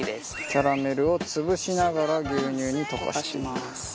キャラメルをつぶしながら牛乳に溶かしていく。